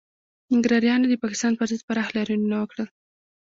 ننګرهاریانو د پاکستان پر ضد پراخ لاریونونه وکړل